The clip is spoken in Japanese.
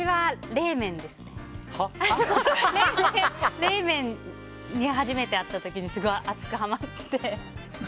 冷麺に初めて会った時にすごい、熱くはまって。